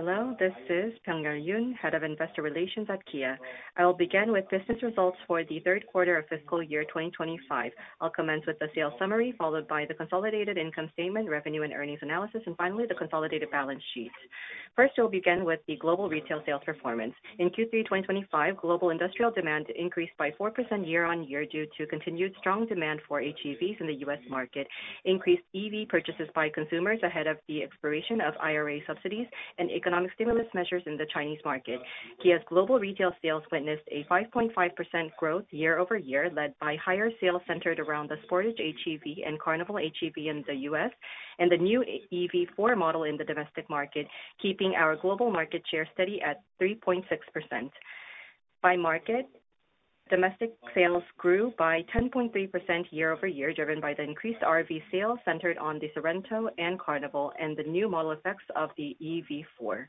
Hello, this is Pyung-Ah Yoon, Head of Investor Relations at Kia. I will begin with business results for the third quarter of fiscal year 2025. I'll commence with the sales summary, followed by the consolidated income statement, revenue and earnings analysis, and finally the consolidated balance sheet. First, we'll begin with the global retail sales performance. In Q3 2025, global industrial demand increased by 4% year-on-year due to continued strong demand for HEVs in the U.S. market, increased EV purchases by consumers ahead of the expiration of IRA subsidies, and economic stimulus measures in the Chinese market. Kia's global retail sales witnessed a 5.5% growth year-over-year, led by higher sales centered around the Sportage HEV and Carnival HEV in the U.S., and the new EV4 model in the domestic market, keeping our global market share steady at 3.6%. By market, domestic sales grew by 10.3% year-over-year, driven by the increased RV sales centered on the Sorento and Carnival, and the new model effects of the EV4.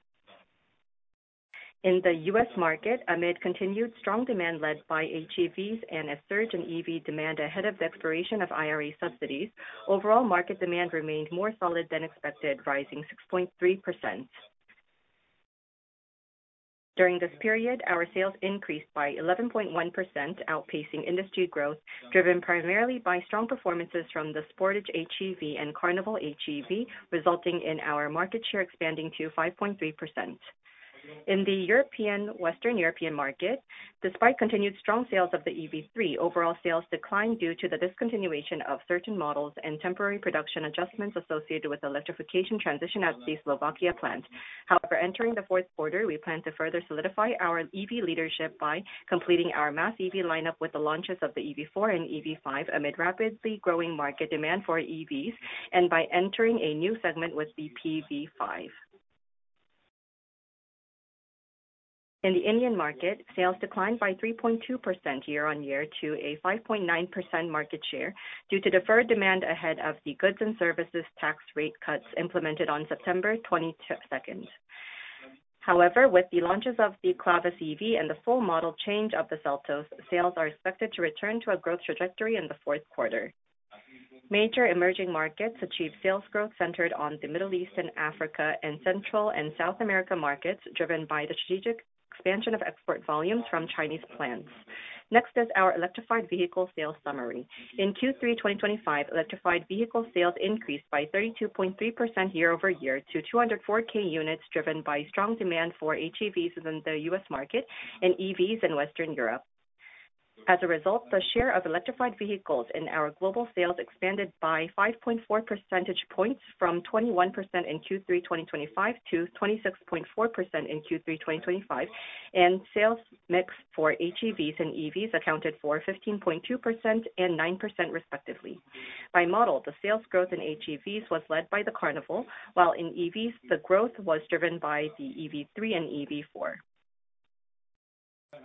In the U.S. market, amid continued strong demand led by HEVs and a surge in EV demand ahead of the expiration of IRA subsidies, overall market demand remained more solid than expected, rising 6.3%. During this period, our sales increased by 11.1%, outpacing industry growth, driven primarily by strong performances from the Sportage HEV and Carnival HEV, resulting in our market share expanding to 5.3%. In the Western European market, despite continued strong sales of the EV3, overall sales declined due to the discontinuation of certain models and temporary production adjustments associated with the electrification transition at the Slovakia plant. However, entering the fourth quarter, we plan to further solidify our EV leadership by completing our mass EV lineup with the launches of the EV4 and EV5, amid rapidly growing market demand for EVs, and by entering a new segment with the PV5. In the Indian market, sales declined by 3.2% year-on-year to a 5.9% market share due to deferred demand ahead of the Goods and Services Tax rate cuts implemented on September 22nd. However, with the launches of the Clavis EV and the full model change of the Seltos, sales are expected to return to a growth trajectory in the fourth quarter. Major emerging markets achieved sales growth centered on the Middle East and Africa, and Central and South America markets, driven by the strategic expansion of export volumes from Chinese plants. Next is our electrified vehicle sales summary. In Q3 2025, electrified vehicle sales increased by 32.3% year-over-year to 204,000 units, driven by strong demand for HEVs in the U.S. market and EVs in Western Europe. As a result, the share of electrified vehicles in our global sales expanded by 5.4 percentage points, from 21% in Q3 2025 to 26.4% in Q3 2025, and sales mix for HEVs and EVs accounted for 15.2% and 9%, respectively. By model, the sales growth in HEVs was led by the Carnival, while in EVs, the growth was driven by the EV3 and EV4.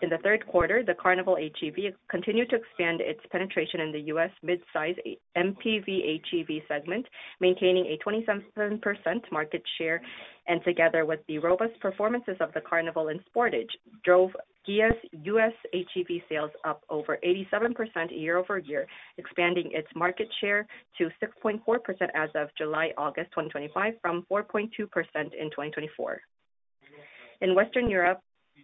In the third quarter, the Carnival HEV continued to expand its penetration in the U.S. midsize MPV HEV segment, maintaining a 27% market share, and together with the robust performances of the Carnival and Sportage, drove Kia's U.S. HEV sales up over 87% year-over-year, expanding its market share to 6.4% as of July-August 2025, from 4.2% in 2024. In Western Europe,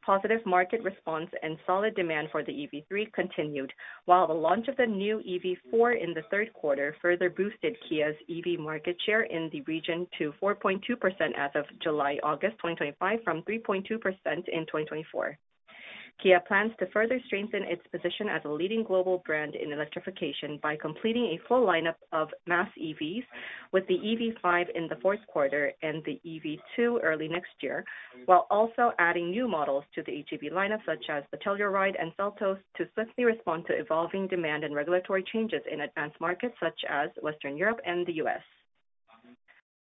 positive market response and solid demand for the EV3 continued, while the launch of the new EV4 in the third quarter further boosted Kia's EV market share in the region to 4.2% as of July-August 2025, from 3.2% in 2024. Kia plans to further strengthen its position as a leading global brand in electrification by completing a full lineup of mass EVs, with the EV5 in the fourth quarter and the EV2 early next year, while also adding new models to the HEV lineup, such as the Telluride and Seltos, to swiftly respond to evolving demand and regulatory changes in advanced markets such as Western Europe and the U.S.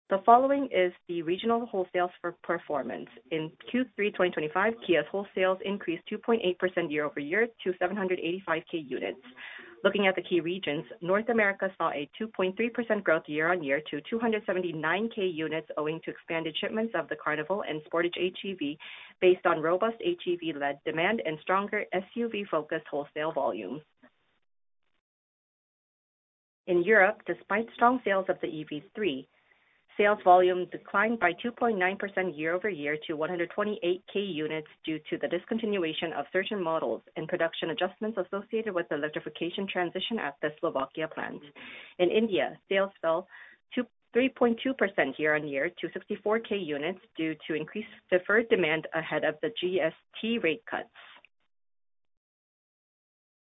The following is the regional wholesale performance. In Q3 2025, Kia's wholesales increased 2.8% year-over-year to 785K units. Looking at the key regions, North America saw a 2.3% growth year-over-year to 279K units, owing to expanded shipments of the Carnival and Sportage HEV, based on robust HEV-led demand and stronger SUV-focused wholesale volumes. In Europe, despite strong sales of the EV3, sales volume declined by 2.9% year-over-year to 128K units due to the discontinuation of certain models and production adjustments associated with the electrification transition at the Slovakia plant. In India, sales fell 3.2% year-over-year to 64K units due to increased deferred demand ahead of the GST rate cuts.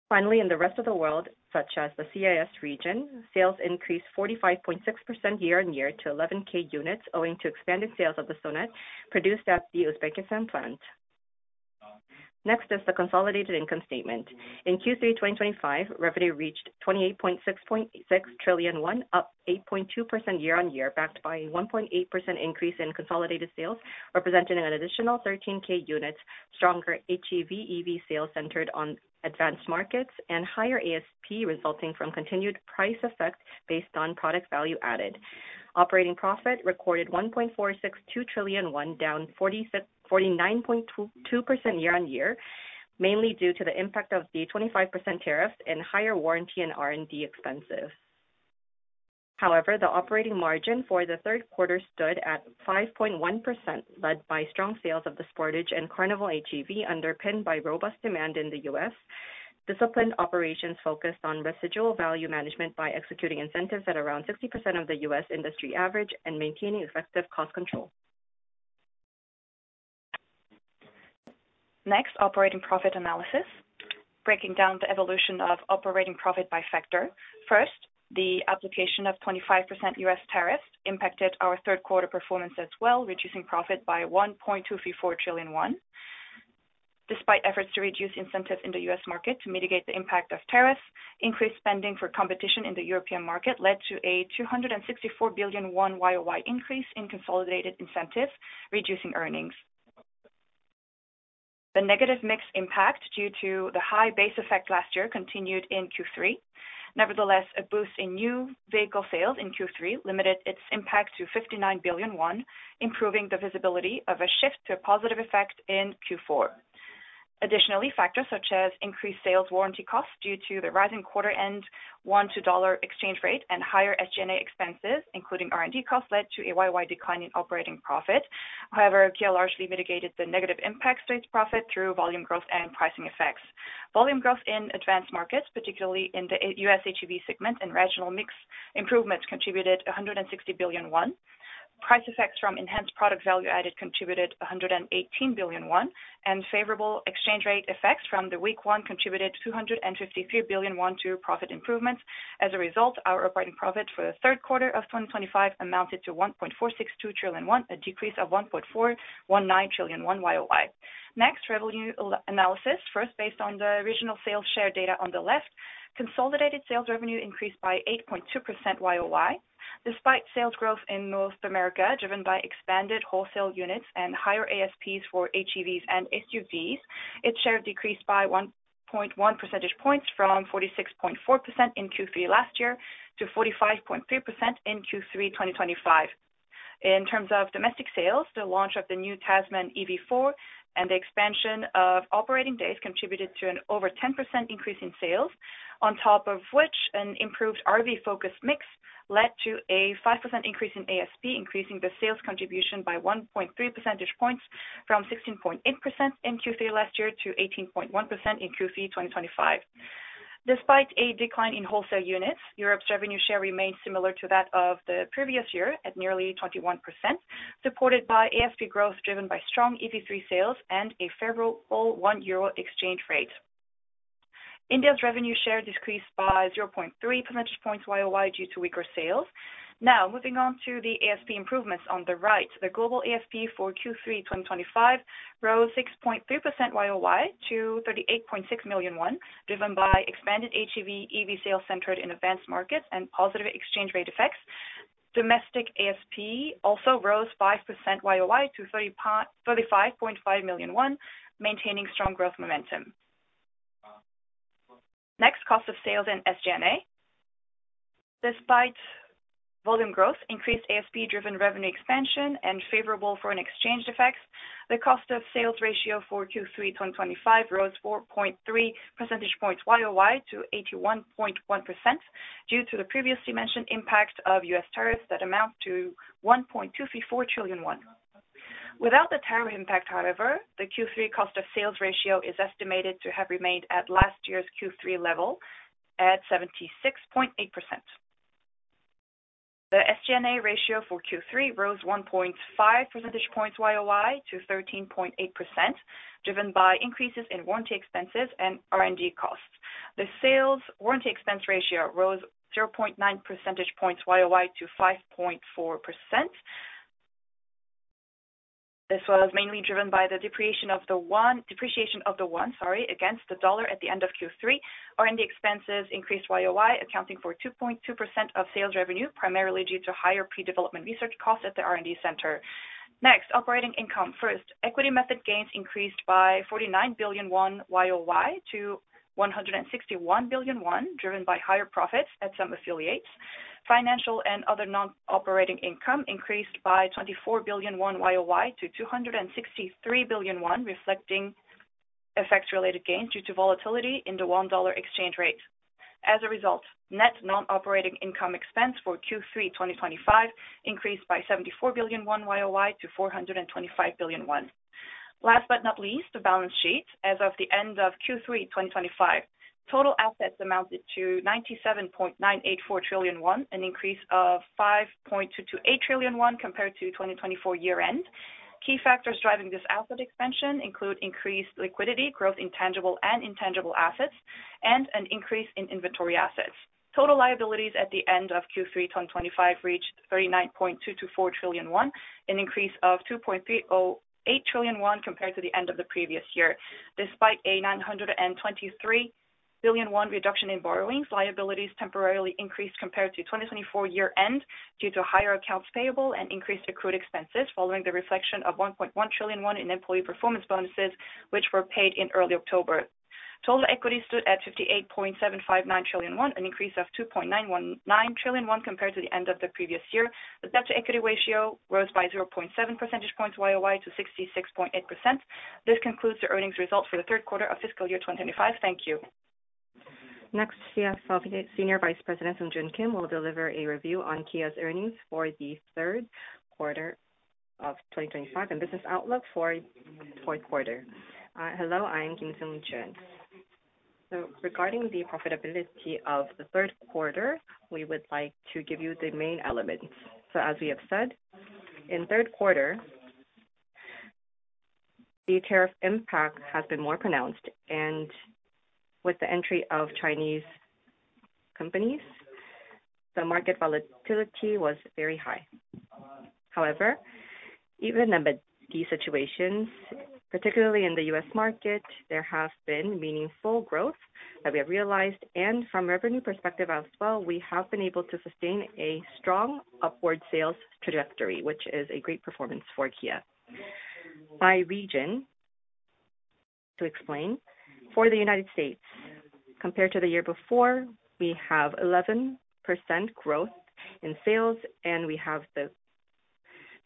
Finally, in the rest of the world, such as the CIS region, sales increased 45.6% year-over-year to 11K units, owing to expanded sales of the Sonet produced at the Uzbekistan plant. Next is the consolidated income statement. In Q3 2025, revenue reached 28.66 trillion won, up 8.2% year-on-year, backed by a 1.8% increase in consolidated sales, representing an additional 13K units, stronger HEV EV sales centered on advanced markets, and higher ASP resulting from continued price effect based on product value added. Operating profit recorded 1.462 trillion won, down 49.2% year-on-year, mainly due to the impact of the 25% tariffs and higher warranty and R&D expenses. However, the operating margin for the third quarter stood at 5.1%, led by strong sales of the Sportage and Carnival HEV, underpinned by robust demand in the U.S., disciplined operations focused on residual value management by executing incentives at around 60% of the U.S. industry average, and maintaining effective cost control. Next, operating profit analysis, breaking down the evolution of operating profit by factor. First, the application of 25% U.S. tariffs impacted our third quarter performance as well, reducing profit by 1.24 trillion won. Despite efforts to reduce incentives in the U.S. market to mitigate the impact of tariffs, increased spending for competition in the European market led to a 264 billion won YOY increase in consolidated incentives, reducing earnings. The negative mixed impact due to the high base effect last year continued in Q3. Nevertheless, a boost in new vehicle sales in Q3 limited its impact to 59 billion won, improving the visibility of a shift to a positive effect in Q4. Additionally, factors such as increased sales warranty costs due to the rising quarter-end won-to-dollar exchange rate and higher SG&A expenses, including R&D costs, led to a YOY decline in operating profit. However, Kia largely mitigated the negative impact-based profit through volume growth and pricing effects. Volume growth in advanced markets, particularly in the US HEV segment and regionally mixed improvements, contributed 160 billion won. Price effects from enhanced product value added contributed 118 billion won, and favorable exchange rate effects from the won contributed 253 billion won to profit improvements. As a result, our operating profit for the third quarter of 2025 amounted to 1.462 trillion won, a decrease of 1.419 trillion won YOY. Next, revenue analysis, first based on the regional sales share data on the left, consolidated sales revenue increased by 8.2% YOY. Despite sales growth in North America, driven by expanded wholesale units and higher ASPs for HEVs and SUVs, its share decreased by 1.1 percentage points from 46.4% in Q3 last year to 45.3% in Q3 2025. In terms of domestic sales, the launch of the new Tasman, EV4 and the expansion of operating days contributed to an over 10% increase in sales, on top of which an improved RV-focused mix led to a 5% increase in ASP, increasing the sales contribution by 1.3 percentage points from 16.8% in Q3 last year to 18.1% in Q3 2025. Despite a decline in wholesale units, Europe's revenue share remained similar to that of the previous year at nearly 21%, supported by ASP growth driven by strong EV3 sales and a favorable one-year-old exchange rate. India's revenue share decreased by 0.3 percentage points YOY due to weaker sales. Now, moving on to the ASP improvements on the right, the global ASP for Q3 2025 rose 6.3% YOY to 38.6 million won, driven by expanded HEV EV sales centered in advanced markets and positive exchange rate effects. Domestic ASP also rose 5% YOY to 35.5 million won, maintaining strong growth momentum. Next, cost of sales and SG&A. Despite volume growth, increased ASP-driven revenue expansion, and favorable foreign exchange effects, the cost of sales ratio for Q3 2025 rose 4.3 percentage points YOY to 81.1% due to the previously mentioned impact of U.S. tariffs that amounts to 1.244 trillion won. Without the tariff impact, however, the Q3 cost of sales ratio is estimated to have remained at last year's Q3 level at 76.8%. The SG&A ratio for Q3 rose 1.5 percentage points YOY to 13.8%, driven by increases in warranty expenses and R&D costs. The sales warranty expense ratio rose 0.9 percentage points YOY to 5.4%. This was mainly driven by the depreciation of the won, sorry, against the dollar at the end of Q3. R&D expenses increased YOY, accounting for 2.2% of sales revenue, primarily due to higher pre-development research costs at the R&D center. Next, operating income. First, equity method gains increased by 49 billion won YOY to 161 billion won, driven by higher profits at some affiliates. Financial and other non-operating income increased by 24 billion won YOY to 263 billion won, reflecting effects-related gains due to volatility in the won-dollar exchange rate. As a result, net non-operating income expense for Q3 2025 increased by 74 billion won YOY to 425 billion won. Last but not least, the balance sheet as of the end of Q3 2025. Total assets amounted to 97.984 trillion won, an increase of 5.228 trillion won compared to 2024 year-end. Key factors driving this asset expansion include increased liquidity, growth in tangible and intangible assets, and an increase in inventory assets. Total liabilities at the end of Q3 2025 reached 39.224 trillion won, an increase of 2.308 trillion won compared to the end of the previous year. Despite a 923 billion won reduction in borrowings, liabilities temporarily increased compared to 2024 year-end due to higher accounts payable and increased accrued expenses following the reflection of 1.1 trillion won in employee performance bonuses, which were paid in early October. Total equity stood at 58.759 trillion won, an increase of 2.919 trillion won compared to the end of the previous year. The debt-to-equity ratio rose by 0.7 percentage points YOY to 66.8%. This concludes the earnings results for the third quarter of fiscal year 2025. Thank you. Next, Kia Corp Senior Vice President, Sung Joon Kim, will deliver a review on Kia's earnings for the third quarter of 2025 and business outlook for the fourth quarter. Hello, I'm Kim Sung Joon. Regarding the profitability of the third quarter, we would like to give you the main elements. As we have said, in third quarter, the tariff impact has been more pronounced, and with the entry of Chinese companies, the market volatility was very high. However, even amid these situations, particularly in the US market, there has been meaningful growth that we have realized, and from a revenue perspective as well, we have been able to sustain a strong upward sales trajectory, which is a great performance for Kia. By region, to explain, for the United States, compared to the year before, we have 11% growth in sales, and we have the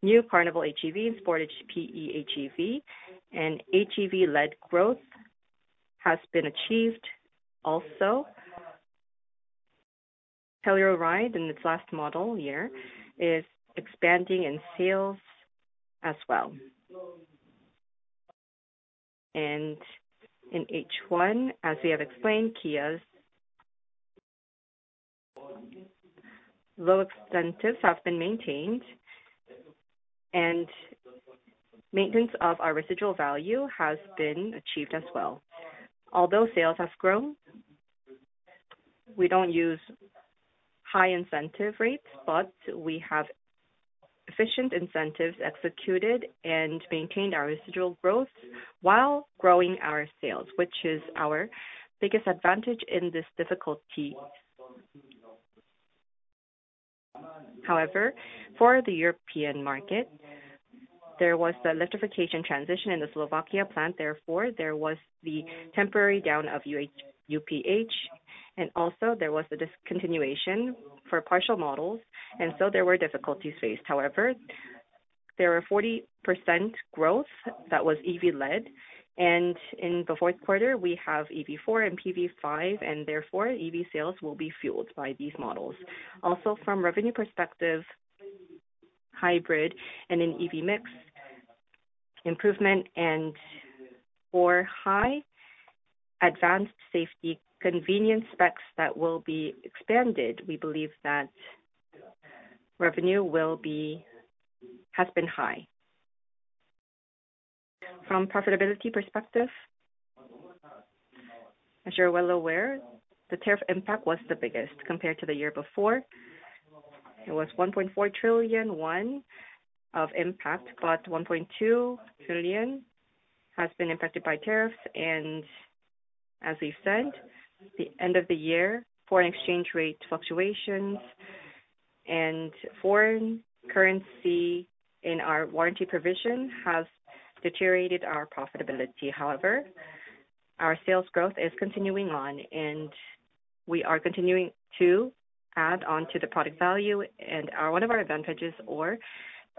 new Carnival HEV and Sportage PE HEV, and HEV-led growth has been achieved. Also, Telluride in its last model year is expanding in sales as well. In H1, as we have explained, Kia's low expenses have been maintained, and maintenance of our residual value has been achieved as well. Although sales have grown, we don't use high incentive rates, but we have efficient incentives executed and maintained our residual growth while growing our sales, which is our biggest advantage in this difficulty. However, for the European market, there was the electrification transition in the Slovakia plant. Therefore, there was the temporary down of UPH, and also there was the discontinuation for partial models, and so there were difficulties faced. However, there were 40% growth that was EV-led, and in the fourth quarter, we have EV4 and PV5, and therefore EV sales will be fueled by these models. Also, from a revenue perspective, hybrid and an EV mix improvement, and for high advanced safety convenience specs that will be expanded, we believe that revenue will be, has been high. From a profitability perspective, as you're well aware, the tariff impact was the biggest compared to the year before. It was 1.4 trillion of impact, but 1.2 trillion has been impacted by tariffs, and as we said, the end of the year, foreign exchange rate fluctuations and foreign currency in our warranty provision has deteriorated our profitability. However, our sales growth is continuing on, and we are continuing to add on to the product value, and one of our advantages, or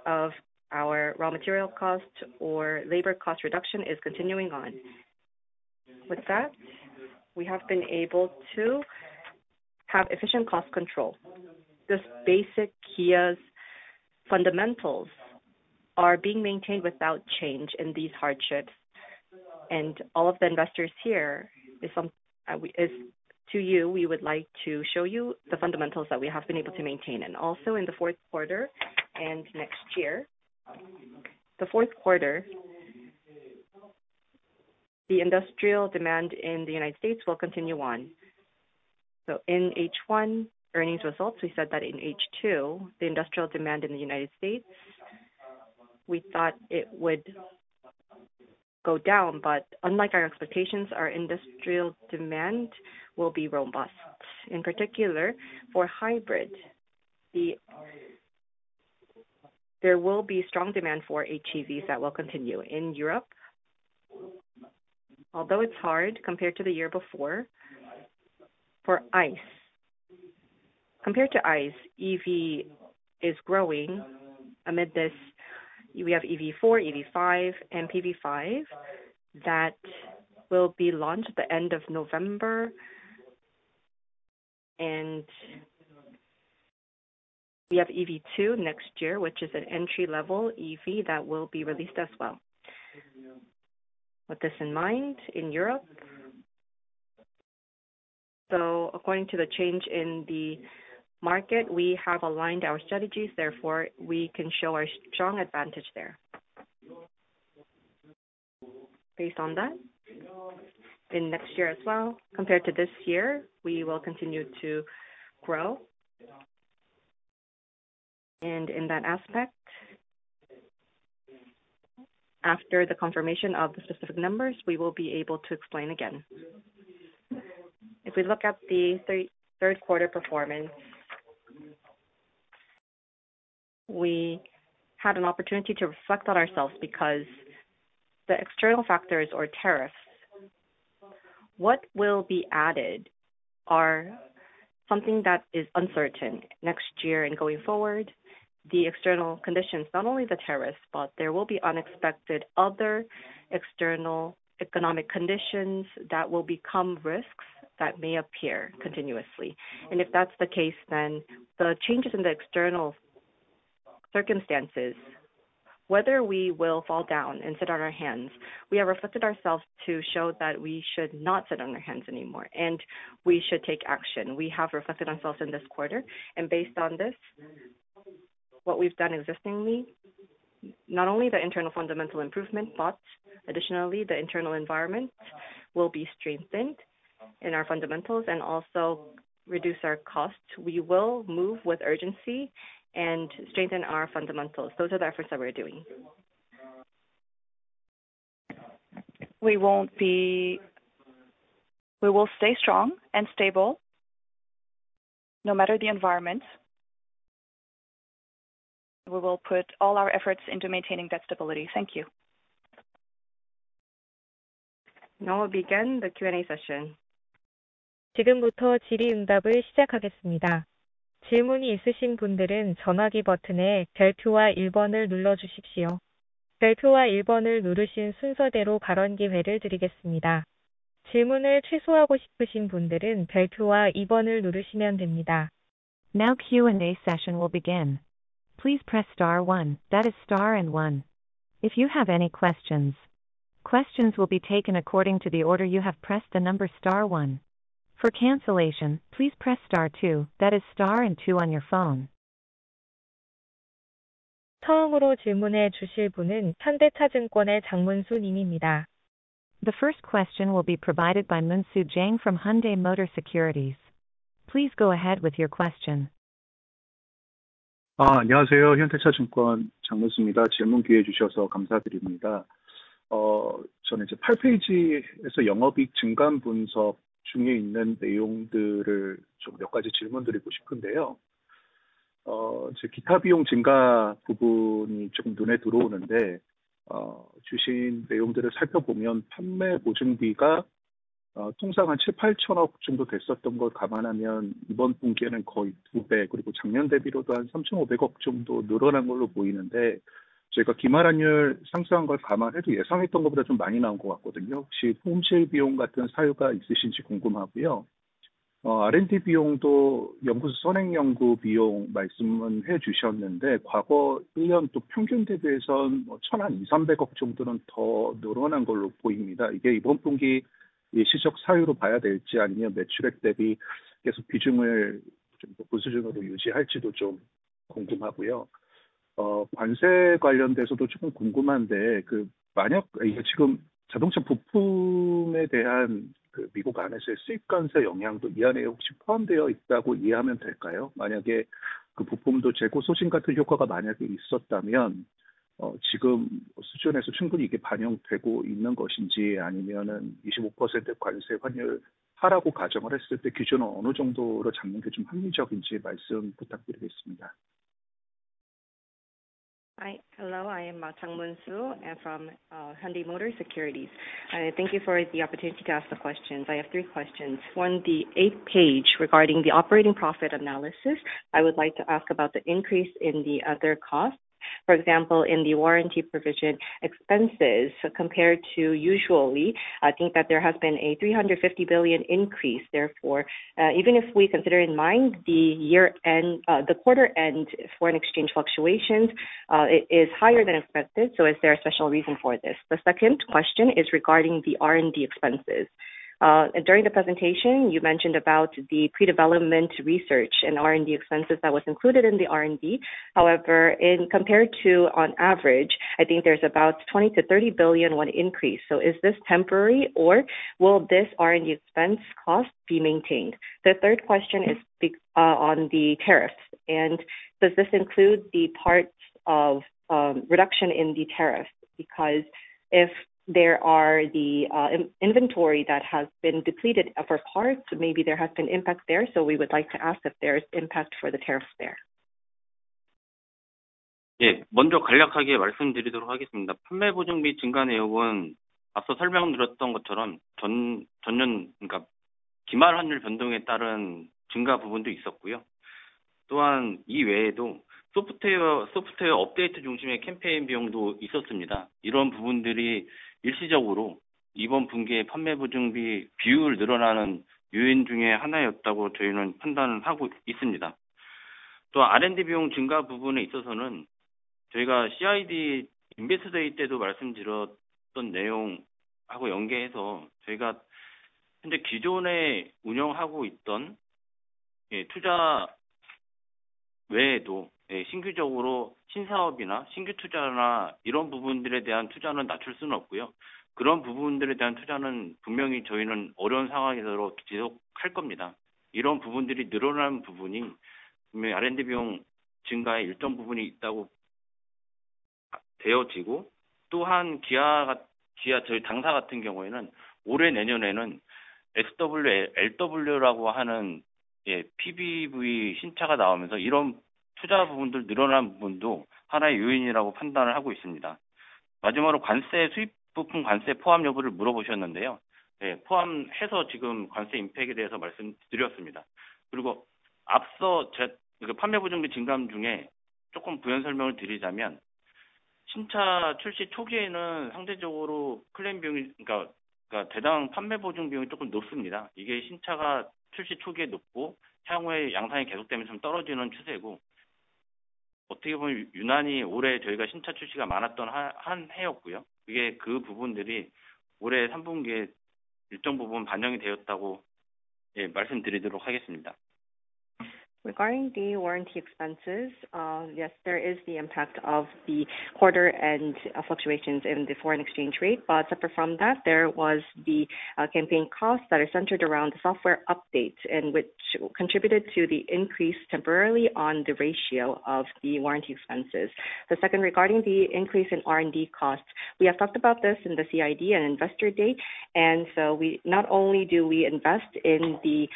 of our raw material cost or labor cost reduction, is continuing on. With that, we have been able to have efficient cost control. This basically Kia's fundamentals are being maintained without change in these hardships, and all of the investors here, to you, we would like to show you the fundamentals that we have been able to maintain. In the fourth quarter and next year, the fourth quarter, the industry demand in the United States will continue on. In H1 earnings results, we said that in H2, the industry demand in the United States, we thought it would go down, but unlike our expectations, our industry demand will be robust. In particular, for hybrid, there will be strong demand for HEVs that will continue in Europe, although it's hard compared to the year before. For ICE, compared to ICE, EV is growing amid this. We have EV4, EV5, and PV5 that will be launched at the end of November, and we have EV2 next year, which is an entry-level EV that will be released as well. With this in mind, in Europe, so according to the change in the market, we have aligned our strategies, therefore, we can show our strong advantage there. Based on that, in next year as well, compared to this year, we will continue to grow. And in that aspect, after the confirmation of the specific numbers, we will be able to explain again. If we look at the third quarter performance, we had an opportunity to reflect on ourselves because the external factors or tariffs, what will be added, are something that is uncertain next year and going forward. The external conditions, not only the tariffs, but there will be unexpected other external economic conditions that will become risks that may appear continuously, and if that's the case, then the changes in the external circumstances, whether we will fall down and sit on our hands, we have reflected ourselves to show that we should not sit on our hands anymore, and we should take action. We have reflected ourselves in this quarter, and based on this, what we've done existingly, not only the internal fundamental improvement, but additionally, the internal environment will be strengthened in our fundamentals and also reduce our costs. We will move with urgency and strengthen our fundamentals. Those are the efforts that we're doing. We will stay strong and stable no matter the environment. We will put all our efforts into maintaining that stability. Thank you. Now we begin the Q&A session. 지금부터 질의응답을 시작하겠습니다. 질문이 있으신 분들은 전화기 버튼에 별표와 1번을 눌러주십시오. 별표와 1번을 누르신 순서대로 발언 기회를 드리겠습니다. 질문을 취소하고 싶으신 분들은 별표와 2번을 누르시면 됩니다. Now Q&A session will begin. Please press star one, that is star and one. If you have any questions, questions will be taken according to the order you have pressed the number star one. For cancellation, please press star two, that is star and two on your phone. 처음으로 질문해 주실 분은 현대차증권의 장문수 님입니다. The first question will be provided by Jang Moon-soo from Hyundai Motor Securities. Please go ahead with your question. 안녕하세요, 현대차증권 장문수입니다. 질문 기회 주셔서 감사드립니다. 저는 이제 8페이지에서 영업이익 증감 분석 중에 있는 내용들을 좀몇 가지 질문 드리고 싶은데요. 기타 비용 증가 부분이 조금 눈에 들어오는데, 주신 내용들을 살펴보면 판매 보증비가 통상 한 7-8천억 정도 됐었던 걸 감안하면 이번 분기에는 거의 두 배, 그리고 작년 대비로도 한 3,500억 정도 늘어난 걸로 보이는데, 저희가 기말 환율 상승한 걸 감안해도 예상했던 것보다 좀 많이 나온 것 같거든요. 혹시 품질 비용 같은 사유가 있으신지 궁금하고요. R&D 비용도 연구소 선행 연구 비용 말씀은 해 주셨는데, 과거 1년도 평균 대비해서는 뭐 천억 2,300억 정도는 더 늘어난 걸로 보입니다. 이게 이번 분기 일시적 사유로 봐야 될지 아니면 매출액 대비 계속 비중을 높은 수준으로 유지할지도 좀 궁금하고요. 관세 관련돼서도 조금 궁금한데, 만약 이게 지금 자동차 부품에 대한 미국 안에서의 수입 관세 영향도 이 안에 혹시 포함되어 있다고 이해하면 될까요? 만약에 그 부품도 재고 소진 같은 효과가 만약에 있었다면, 지금 수준에서 충분히 이게 반영되고 있는 것인지 아니면 25% 관세 환율 하라고 가정을 했을 때 기준은 어느 정도로 잡는 게좀 합리적인지 말씀 부탁드리겠습니다. Hi, hello. I am Jang Moon-soo from Hyundai Motor Securities. Thank you for the opportunity to ask the questions. I have three questions. One, the eighth page regarding the operating profit analysis, I would like to ask about the increase in the other costs. For example, in the warranty provision expenses compared to usually, I think that there has been a 350 billion increase. Therefore, even if we consider in mind the year-end, the quarter-end foreign exchange fluctuations, it is higher than expected. So is there a special reason for this? The second question is regarding the R&D expenses. During the presentation, you mentioned about the pre-development research and R&D expenses that was included in the R&D. However, compared to on average, I think there's about 20-30 billion won increase. So is this temporary or will this R&D expense cost be maintained? The third question is on the tariffs, and does this include the parts of reduction in the tariffs? Because if there are the inventory that has been depleted for parts, maybe there has been impact there. So we would like to ask if there's impact for the tariffs there. 예, 먼저 간략하게 말씀드리도록 하겠습니다. 판매 보증비 증가 내역은 앞서 설명드렸던 것처럼 전년, 그러니까 기말 환율 변동에 따른 증가 부분도 있었고요. 또한 이 외에도 소프트웨어 업데이트 중심의 캠페인 비용도 있었습니다. 이런 부분들이 일시적으로 이번 분기의 판매 보증비 비율 늘어나는 요인 중에 하나였다고 저희는 판단을 하고 있습니다. 또 R&D 비용 증가 부분에 있어서는 저희가 CID 인베스트 데이 때도 말씀드렸던 내용하고 연계해서 저희가 현재 기존에 운영하고 있던 투자 외에도 신규적으로 신사업이나 신규 투자나 이런 부분들에 대한 투자는 낮출 수는 없고요. 그런 부분들에 대한 투자는 분명히 저희는 어려운 상황에서도 계속할 겁니다. 이런 부분들이 늘어나는 부분이 분명히 R&D 비용 증가의 일정 부분이 있다고 되어지고, 또한 기아, 저희 당사 같은 경우에는 올해 내년에는 SWL, LW라고 하는 PBV 신차가 나오면서 이런 투자 부분들 늘어난 부분도 하나의 요인이라고 판단을 하고 있습니다. 마지막으로 관세 수입 부품 관세 포함 여부를 물어보셨는데요. 포함해서 지금 관세 임팩에 대해서 말씀드렸습니다. 그리고 앞서 판매 보증비 증감 중에 조금 부연 설명을 드리자면, 신차 출시 초기에는 상대적으로 클레임 비용이, 그러니까 대당 판매 보증 비용이 조금 높습니다. 이게 신차가 출시 초기에 높고 향후에 양산이 계속되면서 좀 떨어지는 추세고, 어떻게 보면 유난히 올해 저희가 신차 출시가 많았던 한 해였고요. 그게 그 부분들이 올해 3분기에 일정 부분 반영이 되었다고 말씀드리도록 하겠습니다. Regarding the warranty expenses, yes, there is the impact of the quarter-end fluctuations in the foreign exchange rate, but separate from that, there was the campaign costs that are centered around the software updates, which contributed to the increase temporarily on the ratio of the warranty expenses. The second, regarding the increase in R&D costs, we have talked about this in the CID and investor day, and so not only do we invest in the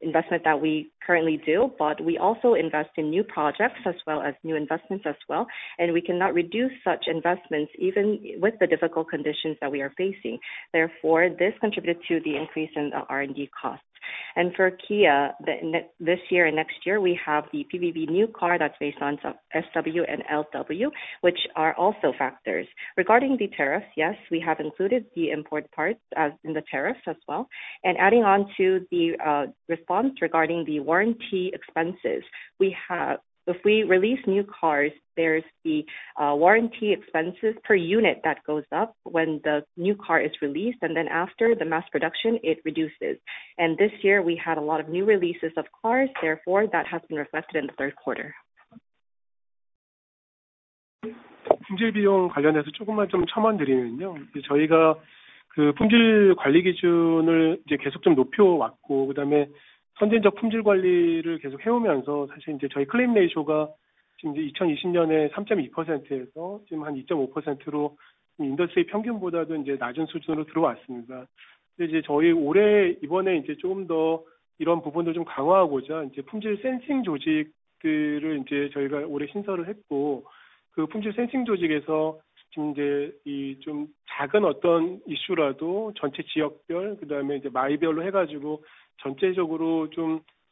investment that we currently do, but we also invest in new projects as well as new investments as well, and we cannot reduce such investments even with the difficult conditions that we are facing. Therefore, this contributed to the increase in R&D costs, and for Kia, this year and next year, we have the PBV new car that's based on SW and LW, which are also factors. Regarding the tariffs, yes, we have included the import parts in the tariffs as well. And adding on to the response regarding the warranty expenses, if we release new cars, there's the warranty expenses per unit that goes up when the new car is released, and then after the mass production, it reduces. And this year, we had a lot of new releases of cars. Therefore, that has been reflected in the third quarter. 품질 비용 관련해서 조금만 첨언 드리면요. 저희가 그 품질 관리 기준을 계속 좀 높여왔고, 그다음에 선진적 품질 관리를 계속 해오면서 사실 이제 저희 클레임 레이쇼가 지금 2020년에 3.2%에서 지금 한 2.5%로 인더스트리 평균보다도 이제 낮은 수준으로 들어왔습니다. 근데 저희 올해 이번에 조금 더 이런 부분도 강화하고자 품질 센싱 조직들을 저희가 올해 신설을 했고, 그 품질 센싱 조직에서 이 작은 어떤 이슈라도 전체 지역별, 그다음에 마일별로 해가지고 전체적으로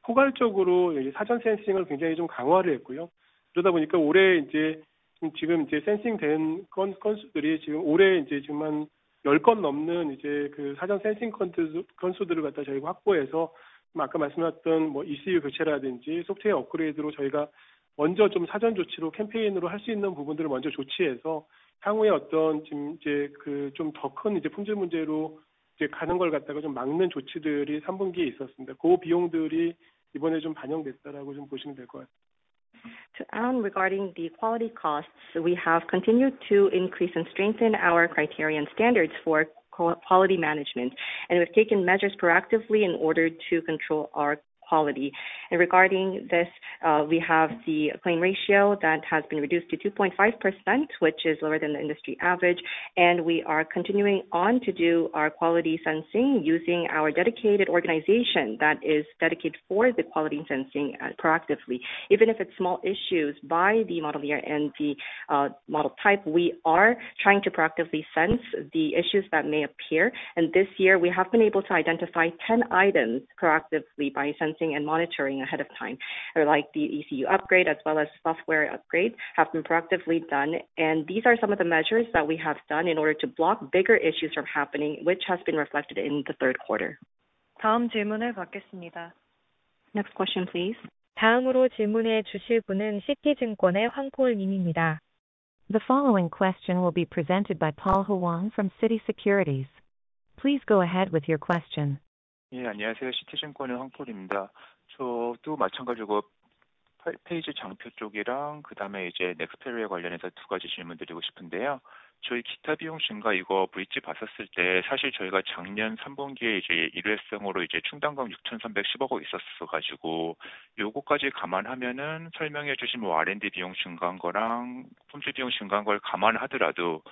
포괄적으로 사전 센싱을 굉장히 강화를 했고요. 그러다 보니까 올해 센싱된 건수들이 올해 한 10건 넘는 그 사전 센싱 건수들을 저희가 확보해서 아까 말씀하셨던 ECU 교체라든지 소프트웨어 업그레이드로 저희가 먼저 사전 조치로 캠페인으로 할수 있는 부분들을 먼저 조치해서 향후에 그좀더큰 품질 문제로 가는 걸 막는 조치들이 3분기에 있었습니다. 그 비용들이 이번에 반영됐다라고 보시면 될것 같습니다. Regarding the quality costs, we have continued to increase and strengthen our criteria and standards for quality management, and we've taken measures proactively in order to control our quality. And regarding this, we have the claim ratio that has been reduced to 2.5%, which is lower than the industry average, and we are continuing on to do our quality sensing using our dedicated organization that is dedicated for the quality sensing proactively. Even if it's small issues by the model year and the model type, we are trying to proactively sense the issues that may appear. And this year, we have been able to identify 10 items proactively by sensing and monitoring ahead of time. Like the ECU upgrade, as well as software upgrades, have been proactively done, and these are some of the measures that we have done in order to block bigger issues from happening, which has been reflected in the third quarter. 다음 질문을 받겠습니다. Next question, please. 다음으로 질문해 주실 분은 Citigroup Global Markets Korea Securities의 Paul Hwang 님입니다. The following question will be presented by Paul Hwang from Citigroup Global Markets Korea Securities. Please go ahead with your question. 네, 안녕하세요. 시티증권의 황포울입니다. 저도 마찬가지로 8페이지 장표 쪽이랑 그다음에 이제 넥스트 페리와 관련해서 두 가지 질문 드리고 싶은데요. 저희 기타 비용 증가 이거 브릿지 봤었을 때 사실 저희가 작년 3분기에 이제 일회성으로 이제 충당금 6,310억 원 있었어가지고 이것까지 감안하면은 설명해 주신 뭐 R&D 비용 증가한 거랑 품질 비용 증가한 걸 감안하더라도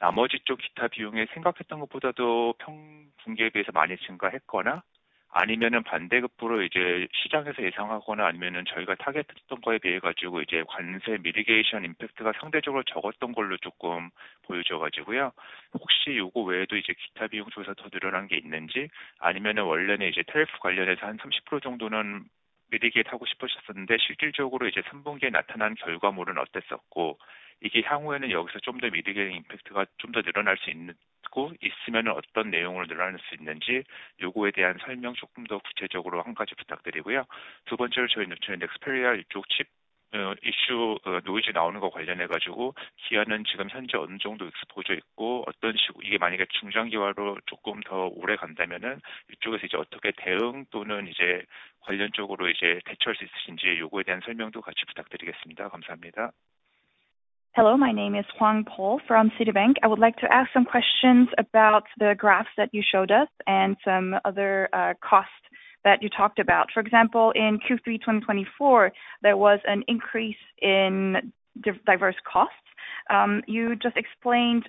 나머지 쪽 기타 비용에 생각했던 것보다도 평 분기에 비해서 많이 증가했거나 아니면은 반대급부로 이제 시장에서 예상하거나 아니면은 저희가 타겟했던 거에 비해가지고 이제 관세 미디게이션 임팩트가 상대적으로 적었던 걸로 조금 보여져가지고요. 혹시 이거 외에도 이제 기타 비용 조사 더 늘어난 게 있는지 아니면은 원래는 이제 트래프 관련해서 한 30% 정도는 미리게 하고 싶으셨었는데 실질적으로 이제 3분기에 나타난 결과물은 어땠었고 이게 향후에는 여기서 좀더 미리게 임팩트가 좀더 늘어날 수 있고 있으면은 어떤 내용으로 늘어날 수 있는지 이거에 대한 설명 조금 더 구체적으로 한 가지 부탁드리고요. 두 번째로 저희 넥스트 페리와 이쪽 칩 이슈 노이즈 나오는 거 관련해가지고 기아는 지금 현재 어느 정도 익스포저 있고 어떤 식으로 이게 만약에 중장기화로 조금 더 오래 간다면은 이쪽에서 이제 어떻게 대응 또는 이제 관련 쪽으로 이제 대처할 수 있으신지 이거에 대한 설명도 같이 부탁드리겠습니다. 감사합니다. Hello, my name is Paul Hwang from Citigroup Global Markets Korea Securities. I would like to ask some questions about the graphs that you showed us and some other costs that you talked about. For example, in Q3 2024, there was an increase in diverse costs. You just explained,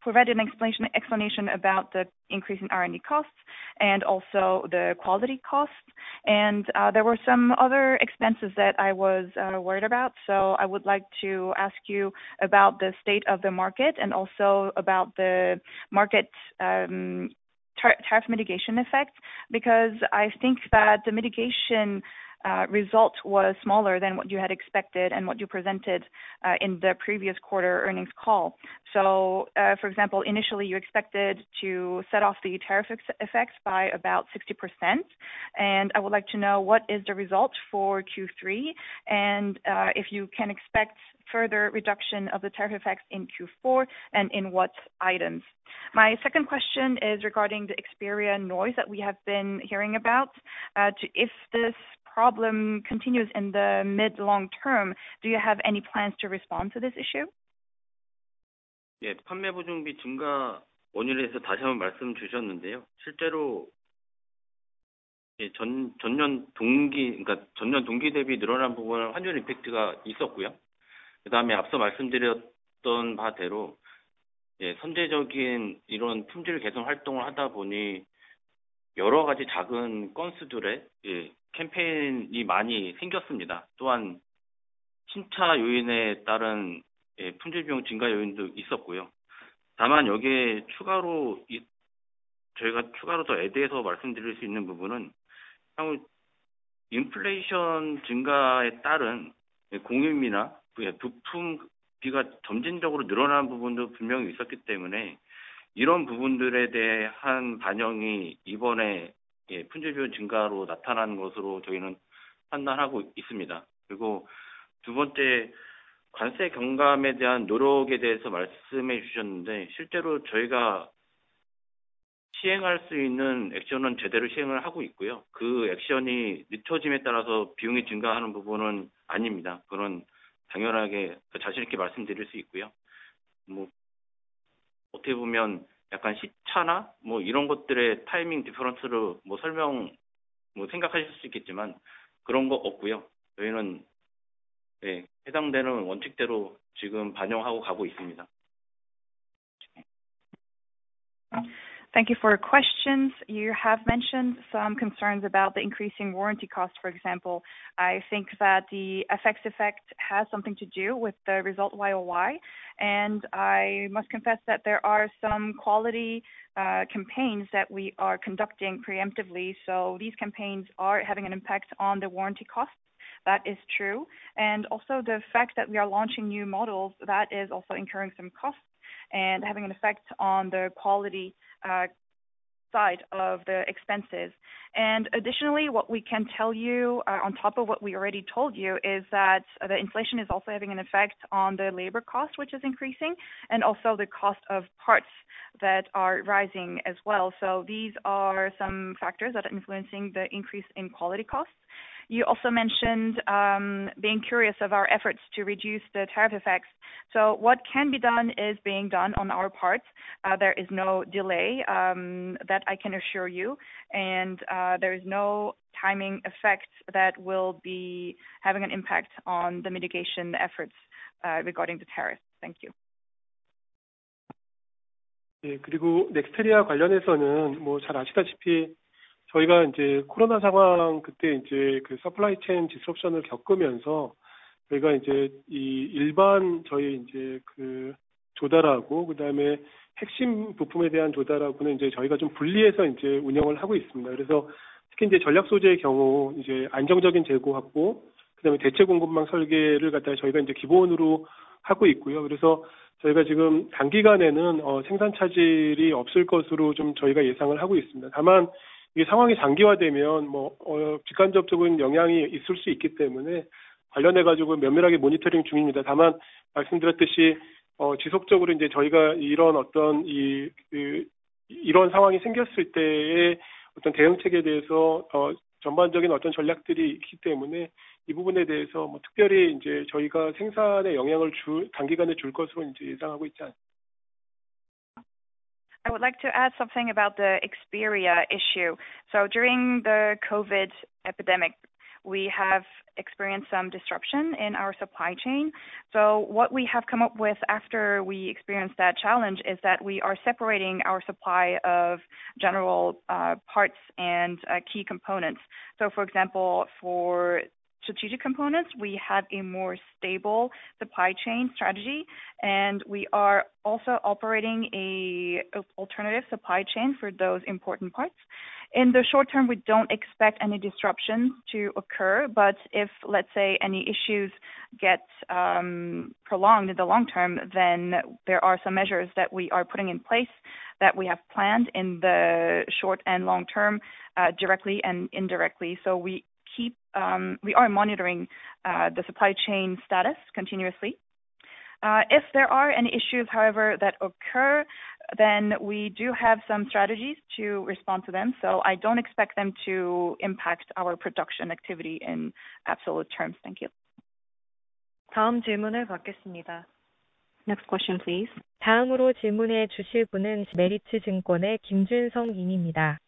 provided an explanation about the increase in R&D costs and also the quality costs, and there were some other expenses that I was worried about. So I would like to ask you about the state of the market and also about the market tariff mitigation effects, because I think that the mitigation result was smaller than what you had expected and what you presented in the previous quarter earnings call. So, for example, initially you expected to set off the tariff effects by about 60%, and I would like to know what is the result for Q3 and if you can expect further reduction of the tariff effects in Q4 and in what items? My second question is regarding the experience noise that we have been hearing about. If this problem continues in the mid-long term, do you have any plans to respond to this issue? 예, 판매 보증비 증가 원인에 대해서 다시 한번 말씀 주셨는데요. 실제로 전년 동기, 그러니까 전년 동기 대비 늘어난 부분은 환율 임팩트가 있었고요. 그다음에 앞서 말씀드렸던 바대로 선제적인 이런 품질 개선 활동을 하다 보니 여러 가지 작은 건수들의 캠페인이 많이 생겼습니다. 또한 신차 요인에 따른 품질 비용 증가 요인도 있었고요. 다만 여기에 추가로 저희가 추가로 더 애드해서 말씀드릴 수 있는 부분은 향후 인플레이션 증가에 따른 공임이나 부품비가 점진적으로 늘어나는 부분도 분명히 있었기 때문에 이런 부분들에 대한 반영이 이번에 품질 비용 증가로 나타나는 것으로 저희는 판단하고 있습니다. 그리고 두 번째, 관세 경감에 대한 노력에 대해서 말씀해 주셨는데 실제로 저희가 시행할 수 있는 액션은 제대로 시행을 하고 있고요. 그 액션이 늦춰짐에 따라서 비용이 증가하는 부분은 아닙니다. 그건 당연하게 자신 있게 말씀드릴 수 있고요. 뭐 어떻게 보면 약간 시차나 뭐 이런 것들의 타이밍 디퍼런스로 뭐 설명, 뭐 생각하실 수 있겠지만 그런 거 없고요. 저희는 예, 해당되는 원칙대로 지금 반영하고 가고 있습니다. Thank you for your questions. You have mentioned some concerns about the increasing warranty costs. For example, I think that the effect has something to do with the result YOY, and I must confess that there are some quality campaigns that we are conducting preemptively, so these campaigns are having an impact on the warranty costs. That is true, and also the fact that we are launching new models, that is also incurring some costs and having an effect on the quality side of the expenses, and additionally, what we can tell you on top of what we already told you is that the inflation is also having an effect on the labor cost, which is increasing, and also the cost of parts that are rising as well. So these are some factors that are influencing the increase in quality costs. You also mentioned being curious of our efforts to reduce the tariff effects. So what can be done is being done on our parts. There is no delay that I can assure you, and there is no timing effect that will be having an impact on the mitigation efforts regarding the tariffs. Thank you. 그리고 넥스트 페리와 관련해서는 뭐잘 아시다시피 저희가 이제 코로나 상황 그때 그 서플라이 체인 디스럽션을 겪으면서 저희가 이제 이 일반 조달하고 그다음에 핵심 부품에 대한 조달하고는 이제 저희가 좀 분리해서 이제 운영을 하고 있습니다. 그래서 특히 이제 전략 소재의 경우 이제 안정적인 재고 확보, 그다음에 대체 공급망 설계를 갖다가 저희가 이제 기본으로 하고 있고요. 그래서 저희가 지금 단기간에는 생산 차질이 없을 것으로 좀 저희가 예상을 하고 있습니다. 다만 이 상황이 장기화되면 뭐 직간접적인 영향이 있을 수 있기 때문에 관련해가지고 면밀하게 모니터링 중입니다. 다만, 말씀드렸듯이 지속적으로 이제 저희가 이런 어떤 이런 상황이 생겼을 때의 어떤 대응책에 대해서 전반적인 어떤 전략들이 있기 때문에 이 부분에 대해서 뭐 특별히 이제 저희가 생산에 영향을 줄 단기간에 줄 것으로 이제 예상하고 있지 않습니다. I would like to add something about the experience issue. So during the COVID epidemic, we have experienced some disruption in our supply chain. So what we have come up with after we experienced that challenge is that we are separating our supply of general parts and key components. So for example, for strategic components, we have a more stable supply chain strategy, and we are also operating an alternative supply chain for those important parts. In the short term, we don't expect any disruptions to occur, but if, let's say, any issues get prolonged in the long term, then there are some measures that we are putting in place that we have planned in the short and long term directly and indirectly. So we keep, we are monitoring the supply chain status continuously. If there are any issues, however, that occur, then we do have some strategies to respond to them. So I don't expect them to impact our production activity in absolute terms. Thank you. 다음 질문을 받겠습니다. Next question, please. 다음으로 질문해 주실 분은 메리츠증권의 김준성 님입니다.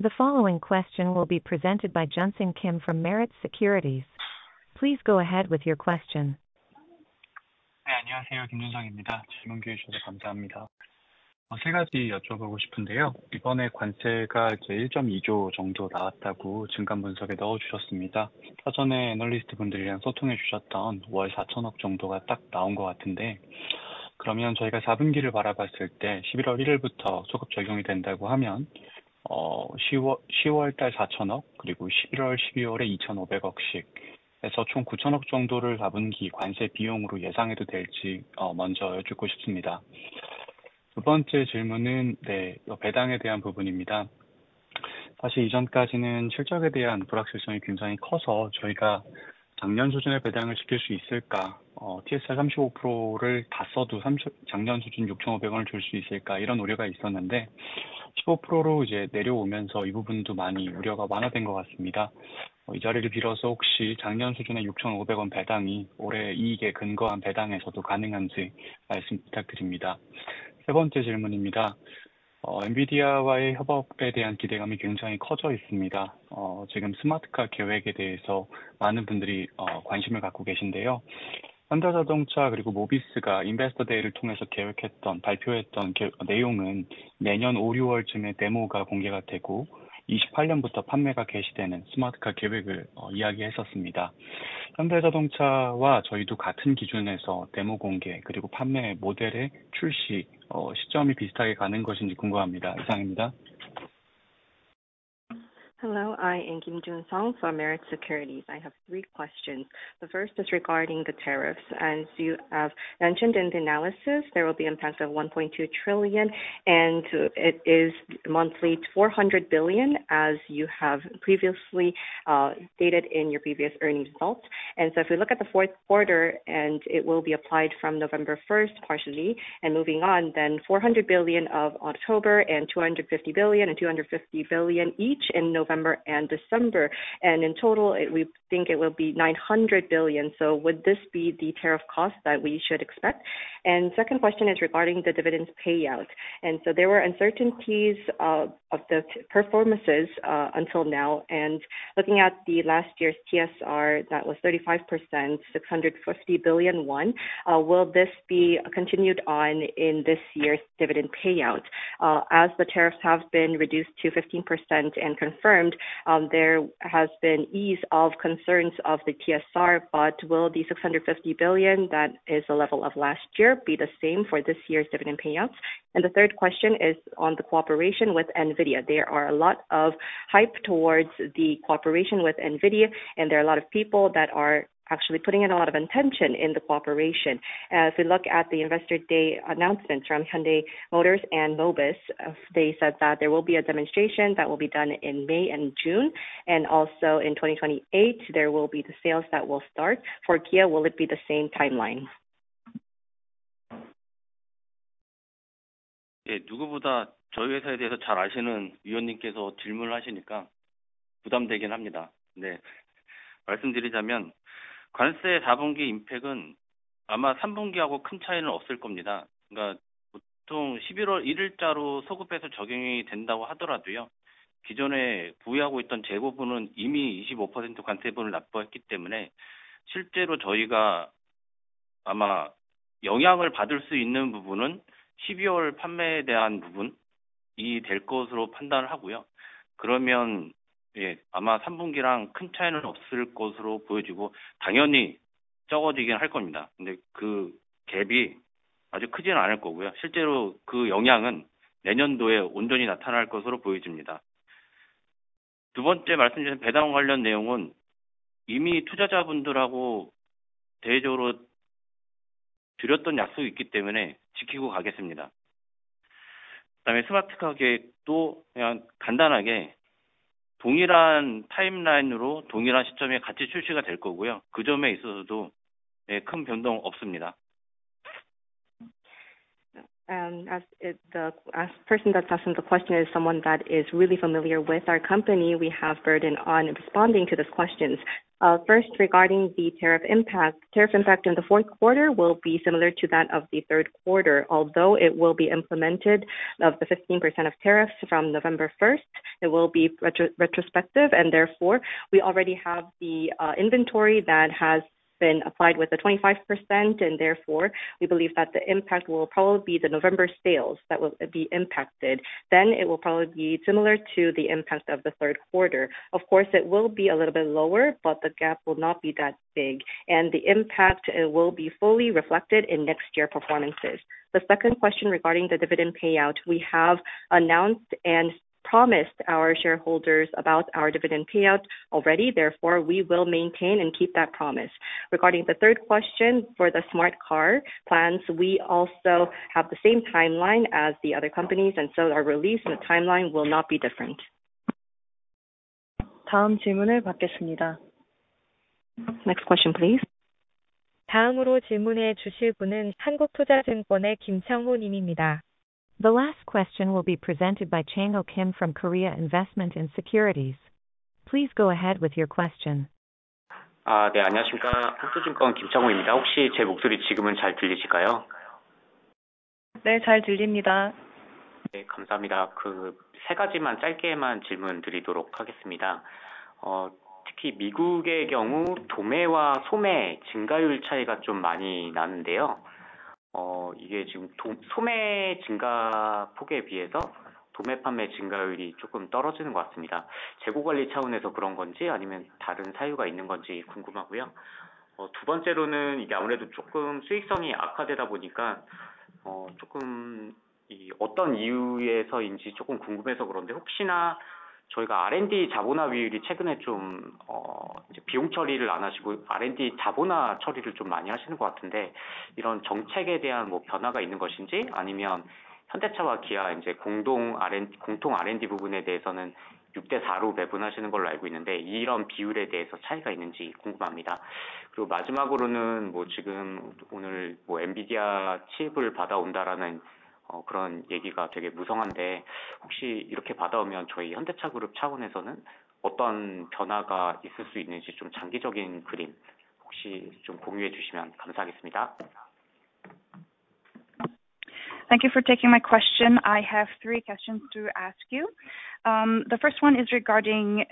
The following question will be presented by Joon-sung Kim from Meritz Securities. Please go ahead with your question. 네, 안녕하세요. 김준성입니다. 질문 기회 주셔서 감사합니다. 세 가지 여쭤보고 싶은데요. 이번에 관세가 이제 1.2조 정도 나왔다고 증감 분석에 넣어주셨습니다. quite large, so we wondered whether we could maintain last year's level of dividends, even if we use all of TSR 35%, could we pay last year's level of KRW 6,500, such worries existed, but now that it's down to 15%, it seems the worries about this part have been greatly alleviated. Taking this opportunity, if by any chance last year's level of KRW 6,500 dividend is possible even in the dividend based on this year's earnings, please let us know. The third question. Expectations for the collaboration with NVIDIA are extremely high. Right now, many people are interested in the smart car plan. Hyundai Motor Company and Hyundai Mobis, through the Investor Day, the contents they planned and announced talked about the smart car plan of releasing the demo around May and June next year and starting sales from 2028. 현대자동차와 저희도 같은 기준에서 데모 공개 그리고 판매 모델의 출시 시점이 비슷하게 가는 것인지 궁금합니다. 이상입니다. Hello, I am Kim Joon-sung from Meritz Securities. I have three questions. The first is regarding the tariffs. As you have mentioned in the analysis, there will be an impact of 1.2 trillion, and it is monthly 400 billion, as you have previously stated in your previous earnings results. And so if we look at the fourth quarter, and it will be applied from November 1st partially and moving on, then 400 billion of October and 250 billion and 250 billion each in November and December, and in total we think it will be 900 billion. So would this be the tariff cost that we should expect? And the second question is regarding the dividends payout. There were uncertainties of the performances until now, and looking at last year's TSR, that was 35%, 650 billion won. Will this be continued on in this year's dividend payout? As the tariffs have been reduced to 15% and confirmed, there has been ease of concerns of the TSR, but will the 650 billion that is the level of last year be the same for this year's dividend payouts? The third question is on the cooperation with NVIDIA. There are a lot of hype towards the cooperation with NVIDIA, and there are a lot of people that are actually putting in a lot of attention in the cooperation. As we look at the CEO Investor Day announcements from Hyundai Motor Company and Hyundai Mobis, they said that there will be a demonstration that will be done in May and June, and also in 2028 there will be the sales that will start. For Kia, will it be the same timeline? 예, 누구보다 저희 회사에 대해서 잘 아시는 위원님께서 질문을 하시니까 부담되긴 합니다. 네, 말씀드리자면 관세의 4분기 임팩은 아마 3분기하고 큰 차이는 없을 겁니다. 그러니까 보통 11월 1일자로 소급해서 적용이 된다고 하더라도요. 기존에 보유하고 있던 재고분은 이미 25% 관세분을 납부했기 때문에 실제로 저희가 아마 영향을 받을 수 있는 부분은 12월 판매에 대한 부분이 될 것으로 판단을 하고요. 그러면 예, 아마 3분기랑 큰 차이는 없을 것으로 보여지고 당연히 적어지긴 할 겁니다. 근데 그 갭이 아주 크지는 않을 거고요. 실제로 그 영향은 내년도에 온전히 나타날 것으로 보여집니다. 두 번째 말씀드린 배당 관련 내용은 이미 투자자분들하고 대외적으로 드렸던 약속이 있기 때문에 지키고 가겠습니다. 그다음에 스마트카 계획도 그냥 간단하게 동일한 타임라인으로 동일한 시점에 같이 출시가 될 거고요. 그 점에 있어서도 큰 변동 없습니다. The person that's asking the question is someone that is really familiar with our company. We have burden on responding to those questions. First, regarding the tariff impact, tariff impact in the fourth quarter will be similar to that of the third quarter, although it will be implemented of the 15% of tariffs from November 1st. It will be retrospective, and therefore we already have the inventory that has been applied with the 25%, and therefore we believe that the impact will probably be the November sales that will be impacted. Then it will probably be similar to the impact of the third quarter. Of course, it will be a little bit lower, but the gap will not be that big, and the impact will be fully reflected in next year's performances. The second question regarding the dividend payout, we have announced and promised our shareholders about our dividend payout already. Therefore, we will maintain and keep that promise. Regarding the third question for the smart car plans, we also have the same timeline as the other companies, and so our release and the timeline will not be different. 다음 질문을 받겠습니다. Next question, please. 다음으로 질문해 주실 분은 한국투자증권의 김창호 님입니다. The last question will be presented by Kim Chang-ho from Korea Investment & Securities. Please go ahead with your question. 네, 안녕하십니까. 한국투자증권 김창호입니다. 혹시 제 목소리 지금은 잘 들리실까요? 네, 잘 들립니다. 네, 감사합니다. 그세 가지만 짧게만 질문 드리도록 하겠습니다. 특히 미국의 경우 도매와 소매 증가율 차이가 좀 많이 나는데요. 이게 지금 소매 증가 폭에 비해서 도매 판매 증가율이 조금 떨어지는 것 같습니다. 재고 관리 차원에서 그런 건지 아니면 다른 사유가 있는 건지 궁금하고요. 두 번째로는 이게 아무래도 조금 수익성이 악화되다 보니까 조금 어떤 이유에서인지 조금 궁금해서 그런데 혹시나 저희가 R&D 자본화 비율이 최근에 좀 비용 처리를 안 하시고 R&D 자본화 처리를 좀 많이 하시는 것 같은데 이런 정책에 대한 뭐 변화가 있는 것인지 아니면 현대차와 기아 이제 공동 R&D 부분에 대해서는 6대 4로 배분하시는 걸로 알고 있는데 이런 비율에 대해서 차이가 있는지 궁금합니다. 그리고 마지막으로는 뭐 지금 오늘 뭐 엔비디아 칩을 받아온다라는 그런 얘기가 되게 무성한데 혹시 이렇게 받아오면 저희 현대차 그룹 차원에서는 어떤 변화가 있을 수 있는지 좀 장기적인 그림 혹시 좀 공유해 주시면 감사하겠습니다. Thank you for taking my question. I have three questions to ask you. The first one is regarding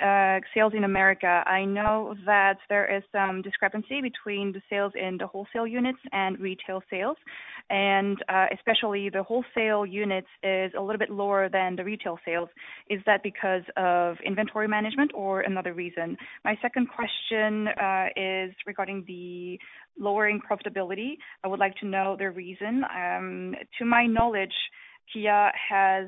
sales in America. I know that there is some discrepancy between the sales in the wholesale units and retail sales, and especially the wholesale units is a little bit lower than the retail sales. Is that because of inventory management or another reason? My second question is regarding the lowering profitability. I would like to know the reason. To my knowledge, does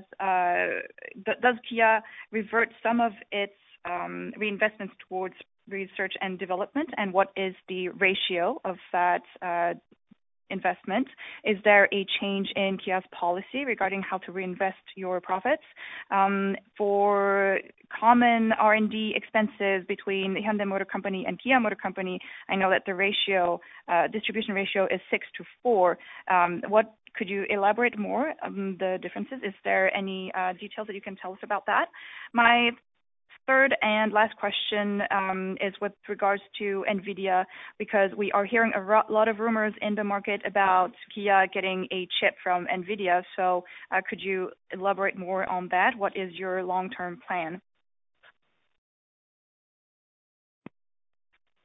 Kia revert some of its reinvestments towards research and development, and what is the ratio of that investment? Is there a change in Kia's policy regarding how to reinvest your profits? For common R&D expenses between Hyundai Motor Company and Kia Motor Company, I know that the distribution ratio is 6 to 4. What could you elaborate more on the differences? Is there any details that you can tell us about that? My third and last question is with regards to NVIDIA because we are hearing a lot of rumors in the market about Kia getting a chip from NVIDIA. So could you elaborate more on that? What is your long-term plan?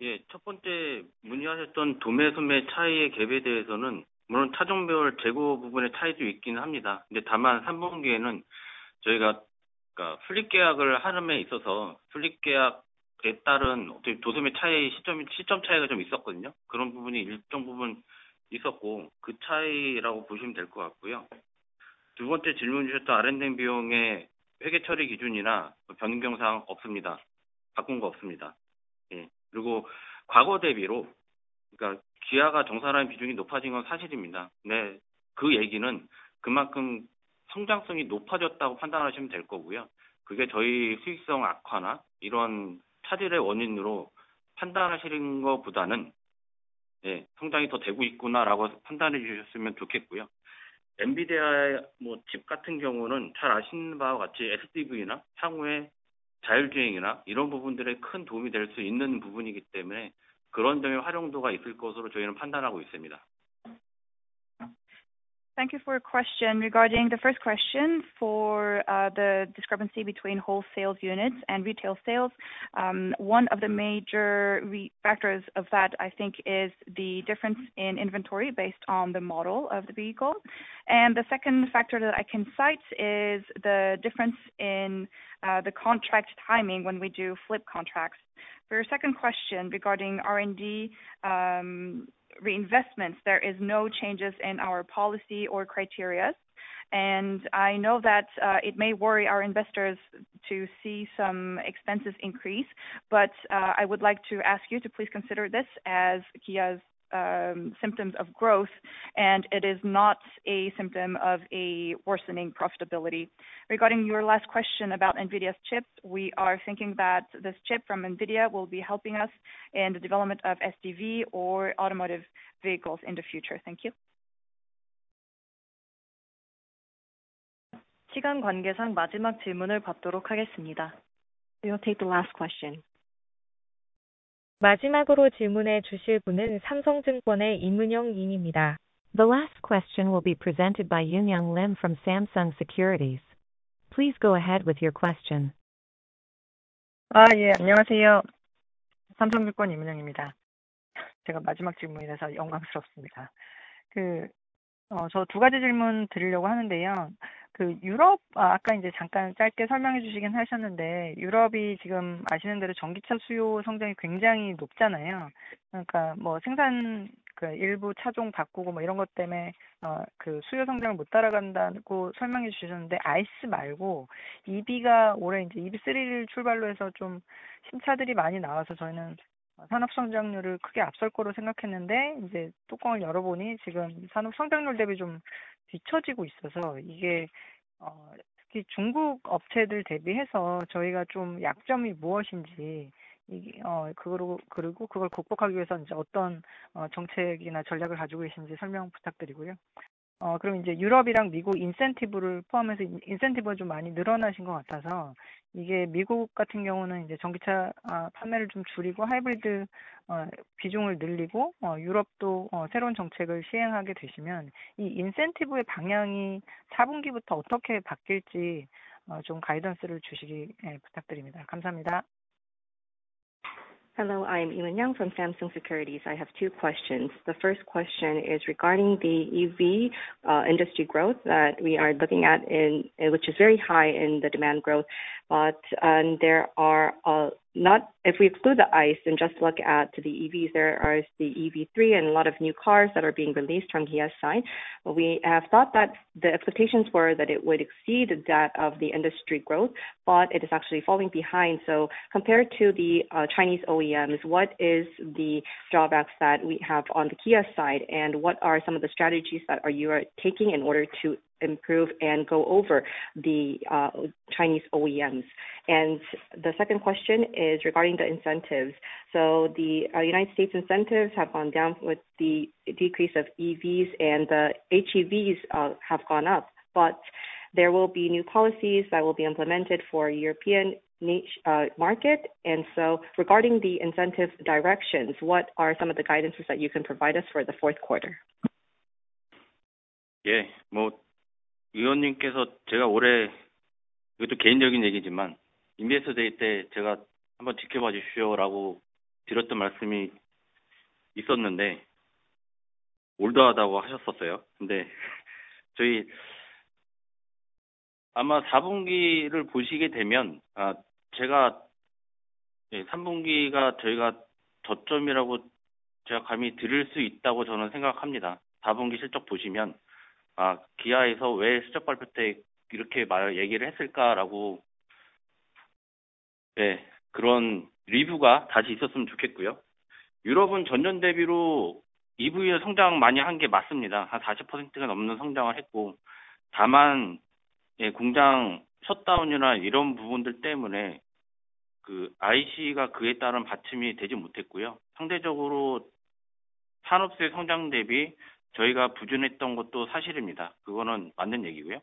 예, 첫 번째 문의하셨던 도매, 소매 차이의 갭에 대해서는 물론 차종별 재고 부분의 차이도 있긴 합니다. 근데 다만 3분기에는 저희가 풀립 계약을 함에 있어서 풀립 계약에 따른 도소매 차이 시점 차이가 좀 있었거든요. 그런 부분이 일정 부분 있었고 그 차이라고 보시면 될것 같고요. 두 번째 질문 주셨던 R&D 비용의 회계 처리 기준이나 변경 사항 없습니다. 바꾼 거 없습니다. 그리고 과거 대비로 그러니까 기아가 정산하는 비중이 높아진 건 사실입니다. 근데 그 얘기는 그만큼 성장성이 높아졌다고 판단하시면 될 거고요. 그게 저희 수익성 악화나 이런 차질의 원인으로 판단하시는 것보다는 성장이 더 되고 있구나라고 판단해 주셨으면 좋겠고요. 엔비디아의 뭐칩 같은 경우는 잘 아시는 바와 같이 SDV나 향후에 자율주행이나 이런 부분들에 큰 도움이 될수 있는 부분이기 때문에 그런 점에 활용도가 있을 것으로 저희는 판단하고 있습니다. Thank you for your question. Regarding the first question for the discrepancy between wholesale units and retail sales, one of the major factors of that I think is the difference in inventory based on the model of the vehicle. And the second factor that I can cite is the difference in the contract timing when we do flip contracts. For your second question regarding R&D reinvestments, there are no changes in our policy or criteria, and I know that it may worry our investors to see some expenses increase, but I would like to ask you to please consider this as Kia's symptoms of growth, and it is not a symptom of a worsening profitability. Regarding your last question about NVIDIA's chip, we are thinking that this chip from NVIDIA will be helping us in the development of SDV or automotive vehicles in the future. Thank you. 시간 관계상 마지막 질문을 받도록 하겠습니다. We will take the last question. 마지막으로 질문해 주실 분은 삼성증권의 임은영 님입니다. The last question will be presented by Im Eun-young from Samsung Securities. Please go ahead with your question. 예, 안녕하세요. 삼성증권 임은영입니다. 제가 마지막 질문이라서 영광스럽습니다. 저두 가지 질문 드리려고 하는데요. 유럽, 아까 이제 잠깐 짧게 설명해 주시긴 하셨는데 유럽이 지금 아시는 대로 전기차 수요 성장이 굉장히 높잖아요. 그러니까 뭐 생산 일부 차종 바꾸고 뭐 이런 것 때문에 그 수요 성장을 못 따라간다고 설명해 주셨는데 ICE 말고 EV가 올해 이제 EV3를 출발로 해서 좀 신차들이 많이 나와서 저희는 산업 성장률을 크게 앞설 거로 생각했는데 이제 뚜껑을 열어보니 지금 산업 성장률 대비 좀 뒤처지고 있어서 이게 특히 중국 업체들 대비해서 저희가 좀 약점이 무엇인지 그리고 그걸 극복하기 위해서 이제 어떤 정책이나 전략을 가지고 계신지 설명 부탁드리고요. 그럼 이제 유럽이랑 미국 인센티브를 포함해서 인센티브가 좀 많이 늘어나신 것 같아서 이게 미국 같은 경우는 이제 전기차 판매를 좀 줄이고 하이브리드 비중을 늘리고 유럽도 새로운 정책을 시행하게 되시면 이 인센티브의 방향이 4분기부터 어떻게 바뀔지 좀 가이던스를 주시기 부탁드립니다. 감사합니다. Hello, I'm Im Eun-young from Samsung Securities. I have two questions. The first question is regarding the EV industry growth that we are looking at, which is very high in the demand growth, but there are not if we exclude the ICE and just look at the EVs, there are the EV3 and a lot of new cars that are being released from Kia's side. We have thought that the expectations were that it would exceed that of the industry growth, but it is actually falling behind. So compared to the Chinese OEMs, what is the drawbacks that we have on the Kia side, and what are some of the strategies that you are taking in order to improve and go over the Chinese OEMs? And the second question is regarding the incentives. So the United States incentives have gone down with the decrease of EVs, and the HEVs have gone up, but there will be new policies that will be implemented for the European market. And so regarding the incentive directions, what are some of the guidance that you can provide us for the fourth quarter? 예, 뭐 위원님께서 제가 올해 이것도 개인적인 얘기지만 인베스터 데이 때 제가 한번 지켜봐 주십시오라고 드렸던 말씀이 있었는데 올드하다고 하셨었어요. 근데 저희 아마 4분기를 보시게 되면 제가 3분기가 저희가 저점이라고 제가 감히 드릴 수 있다고 저는 생각합니다. 4분기 실적 보시면, 기아에서 왜 실적 발표 때 이렇게 얘기를 했을까라고, 그런 리뷰가 다시 있었으면 좋겠고요. 유럽은 전년 대비로 EV에서 성장 많이 한게 맞습니다. 한 40%가 넘는 성장을 했고, 다만 예, 공장 셧다운이나 이런 부분들 때문에 그 ICE가 그에 따른 받침이 되지 못했고요. 상대적으로 산업 수요 성장 대비 저희가 부진했던 것도 사실입니다. 그거는 맞는 얘기고요.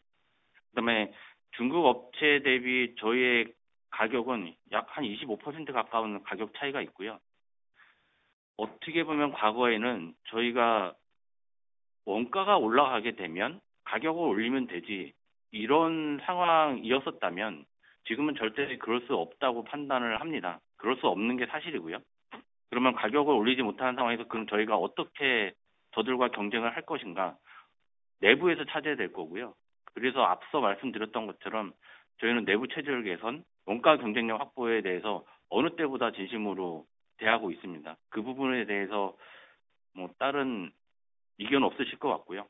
그다음에 중국 업체 대비 저희의 가격은 약 25% 가까운 가격 차이가 있고요. 어떻게 보면 과거에는 저희가 원가가 올라가게 되면 가격을 올리면 되지, 이런 상황이었었다면 지금은 절대 그럴 수 없다고 판단을 합니다. 그럴 수 없는 게 사실이고요. 그러면 가격을 올리지 못하는 상황에서 그럼 저희가 어떻게 저들과 경쟁을 할 것인가 내부에서 찾아야 될 거고요. 그래서 앞서 말씀드렸던 것처럼 저희는 내부 체질 개선, 원가 경쟁력 확보에 대해서 어느 때보다 진심으로 대하고 있습니다. 그 부분에 대해서 뭐 다른 의견 없으실 것 같고요.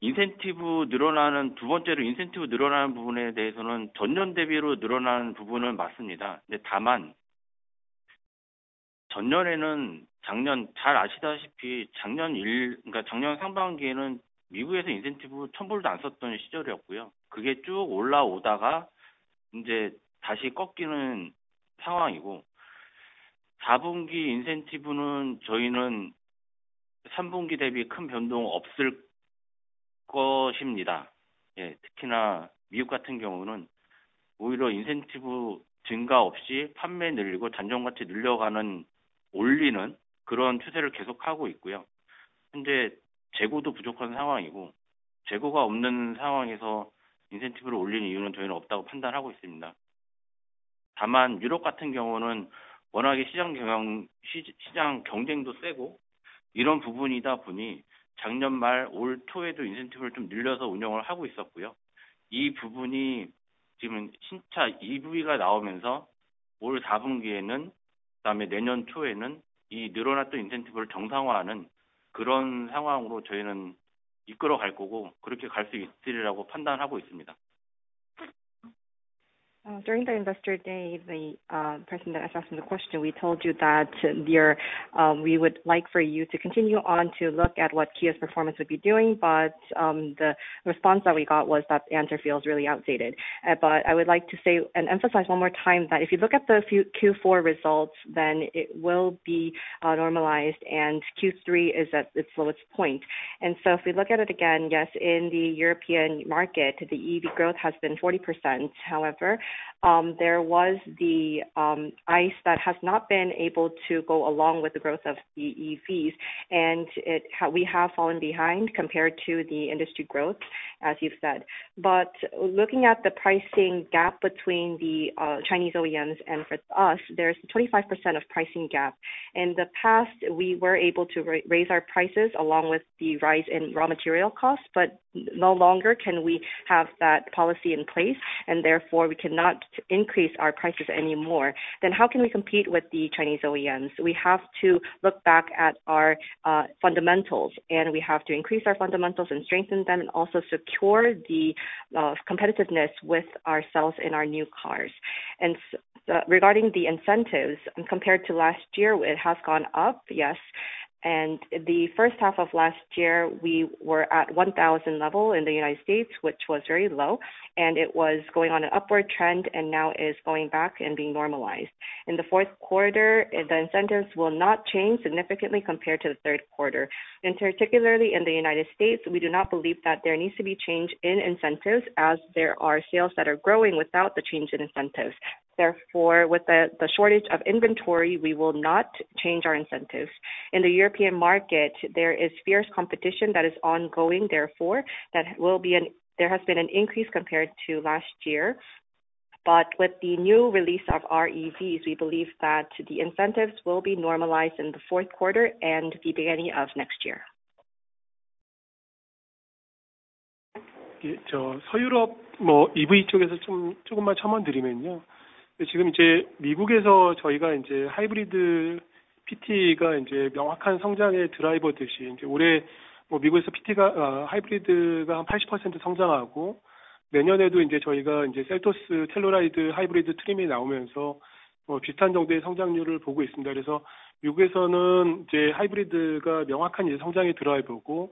인센티브 늘어나는 두 번째로 인센티브 늘어나는 부분에 대해서는 전년 대비로 늘어나는 부분은 맞습니다. 근데 다만 전년에는 작년 잘 아시다시피 작년 상반기에는 미국에서 인센티브 $1,000도 안 썼던 시절이었고요. 그게 쭉 올라오다가 이제 다시 꺾이는 상황이고 4분기 인센티브는 저희는 3분기 대비 큰 변동 없을 것입니다. 예, 특히나 미국 같은 경우는 오히려 인센티브 증가 없이 판매 늘리고 잔존 가치 늘려가는 올리는 그런 추세를 계속하고 있고요. 현재 재고도 부족한 상황이고 재고가 없는 상황에서 인센티브를 올리는 이유는 저희는 없다고 판단하고 있습니다. 다만 유럽 같은 경우는 워낙에 시장 경쟁도 세고 이런 부분이다 보니 작년 말올 초에도 인센티브를 좀 늘려서 운영을 하고 있었고요. 이 부분이 지금 신차 EV가 나오면서 올 4분기에는 그다음에 내년 초에는 이 늘어났던 인센티브를 정상화하는 그런 상황으로 저희는 이끌어갈 거고 그렇게 갈수 있으리라고 판단하고 있습니다. During the Investor Day, the person that asked the question, we told you that we would like for you to continue on to look at what Kia's performance would be doing, but the response that we got was that the answer feels really outdated. But I would like to say and emphasize one more time that if you look at the Q4 results, then it will be normalized and Q3 is at its lowest point. If we look at it again, yes, in the European market, the EV growth has been 40%. However, there was the ICE that has not been able to go along with the growth of the EVs, and we have fallen behind compared to the industry growth, as you've said. But looking at the pricing gap between the Chinese OEMs and for us, there's a 25% pricing gap. In the past, we were able to raise our prices along with the rise in raw material costs, but no longer can we have that policy in place, and therefore we cannot increase our prices anymore. Then how can we compete with the Chinese OEMs? We have to look back at our fundamentals, and we have to increase our fundamentals and strengthen them and also secure the competitiveness with ourselves in our new cars. Regarding the incentives, compared to last year, it has gone up, yes. In the first half of last year, we were at $1,000 level in the United States, which was very low, and it was going on an upward trend and now is going back and being normalized. In the fourth quarter, the incentives will not change significantly compared to the third quarter. Particularly in the United States, we do not believe that there needs to be change in incentives as there are sales that are growing without the change in incentives. Therefore, with the shortage of inventory, we will not change our incentives. In the European market, there is fierce competition that is ongoing. Therefore, there has been an increase compared to last year. But with the new release of our EVs, we believe that the incentives will be normalized in the fourth quarter and the beginning of next year. 저 서유럽 EV 쪽에서 조금 첨언드리면요. 지금 미국에서 저희가 하이브리드 HEV가 명확한 성장의 드라이버입니다. 올해 미국에서 HEV 하이브리드가 80% 성장하고 내년에도 저희가 셀토스 텔루라이드 하이브리드 트림이 나오면서 비슷한 정도의 성장률을 보고 있습니다. 그래서 미국에서는 하이브리드가 명확한 성장의 드라이버고,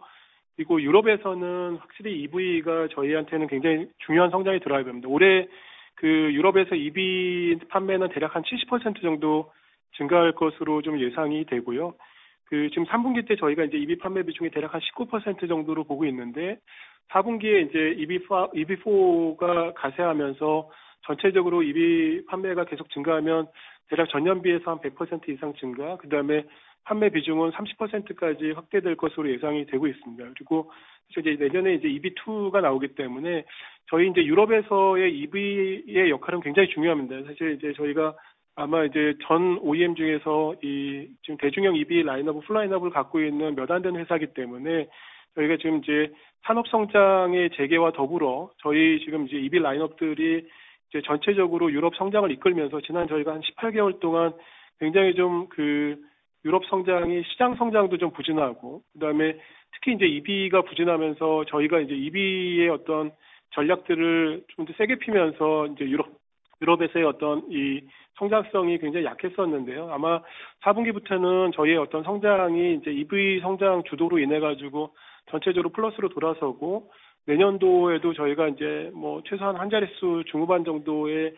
그리고 유럽에서는 EV가 저희한테는 굉장히 중요한 성장의 드라이버입니다. 올해 유럽에서 EV 판매는 대략 70% 정도 증가할 것으로 예상되고요. 지금 3분기 때 저희가 EV 판매 비중이 대략 19% 정도로 보고 있는데, 4분기에 EV4가 가세하면서 전체적으로 EV 판매가 계속 증가하면 대략 전년 비해서 100% 이상 증가, 그 다음에 판매 비중은 30%까지 확대될 것으로 예상되고 있습니다. 그리고 사실 이제 내년에 이제 EV2가 나오기 때문에 저희 이제 유럽에서의 EV의 역할은 굉장히 중요합니다. 사실 이제 저희가 아마 이제 전 OEM 중에서 이 지금 대중형 EV 라인업을 풀 라인업을 갖고 있는 몇안 되는 회사이기 때문에 저희가 지금 이제 산업 성장의 재개와 더불어 저희 지금 이제 EV 라인업들이 이제 전체적으로 유럽 성장을 이끌면서 지난 저희가 한 18개월 동안 굉장히 좀그 유럽 성장이 시장 성장도 좀 부진하고, 그다음에 특히 이제 EV가 부진하면서 저희가 이제 EV의 어떤 전략들을 좀 세게 피하면서 이제 유럽에서의 어떤 이 성장성이 굉장히 약했었는데요. 아마 4분기부터는 저희의 어떤 성장이 이제 EV 성장 주도로 인해가지고 전체적으로 플러스로 돌아서고, 내년도에도 저희가 이제 뭐 최소한 한 자릿수 중후반 정도의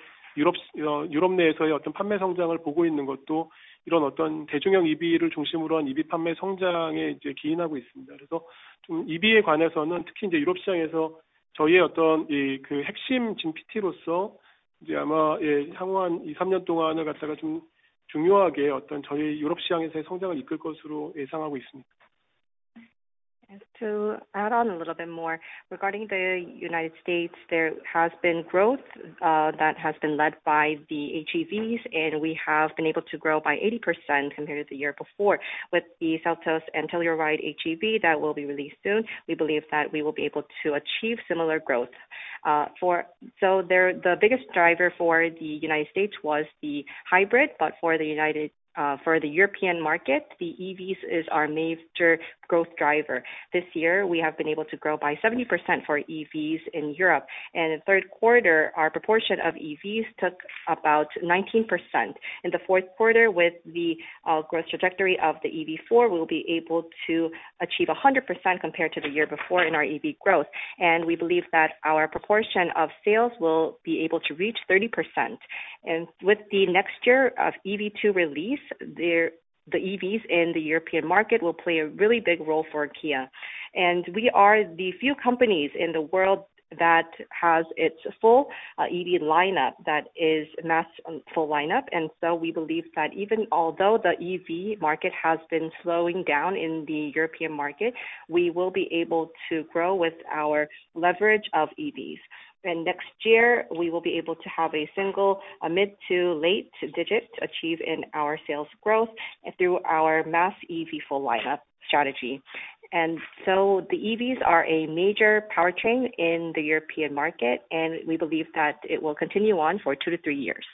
유럽 내에서의 어떤 판매 성장을 보고 있는 것도 이런 어떤 대중형 EV를 중심으로 한 EV 판매 성장에 이제 기인하고 있습니다. 그래서 좀 EV에 관해서는 특히 이제 유럽 시장에서 저희의 어떤 이그 핵심 진 PT로서 이제 아마 예, 향후 한 2, 3년 동안을 갖다가 좀 중요하게 어떤 저희 유럽 시장에서의 성장을 이끌 것으로 예상하고 있습니다. To add on a little bit more regarding the United States, there has been growth that has been led by the HEVs, and we have been able to grow by 80% compared to the year before with the Seltos and Telluride HEV that will be released soon. We believe that we will be able to achieve similar growth. So the biggest driver for the United States was the hybrid, but for the United, for the European market, the EVs are our major growth driver. This year we have been able to grow by 70% for EVs in Europe, and in the third quarter, our proportion of EVs took about 19%. In the fourth quarter, with the growth trajectory of the EV4, we will be able to achieve 100% compared to the year before in our EV growth, and we believe that our proportion of sales will be able to reach 30%. And with the next year of EV2 release, the EVs in the European market will play a really big role for Kia, and we are the few companies in the world that has its full EV lineup that is mass full lineup. And so we believe that even though the EV market has been slowing down in the European market, we will be able to grow with our leverage of EVs. And next year we will be able to have a single mid-to-high-digit achievement in our sales growth through our mass EV full lineup strategy. And so the EVs are a major powertrain in the European market, and we believe that it will continue on for two to three years.